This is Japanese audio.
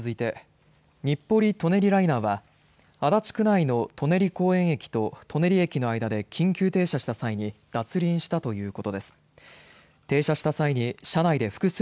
続いて日暮里・舎人ライナーは足立区内の舎人公園駅と舎人駅との間で緊急停車した際に脱輪したということです。